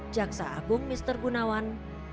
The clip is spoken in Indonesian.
jaksa agung mister gunawan